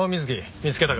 見つけたか？